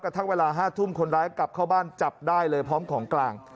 ทั้งเวลา๕ทุ่มคนร้ายกลับเข้าบ้านจับได้เลยพร้อมของกลาง